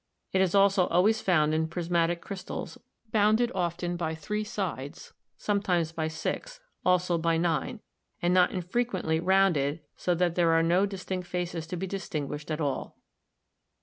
It is almost always found in prismatic crys tals, bounded often by three sides, sometimes by six, also by nine, and not infrequently rounded so that there are no distinct faces to be distinguished at all.